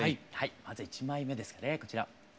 まず１枚目ですかねこちら。